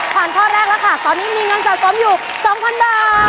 ผ่านข้อแรกล่ะค่ะตอนนี้มีเงินจ่ายซ้อมอยู่๒๐๐๐บาท